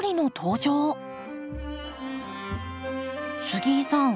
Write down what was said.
杉井さん